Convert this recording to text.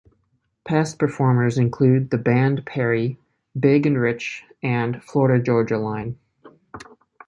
Past performers include The Band Perry, Big and Rich, and Florida Georgia Line.